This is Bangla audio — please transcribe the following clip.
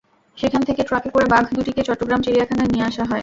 সেখান থেকে ট্রাকে করে বাঘ দুটিকে চট্টগ্রাম চিড়িয়াখানায় নিয়ে আসা হয়।